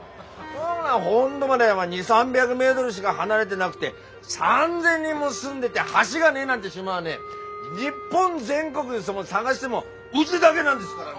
本土までお前２００３００メートルしか離れてなくて３，０００人も住んでて橋がねえなんて島はね日本全国で探してもうぢだげなんですからね。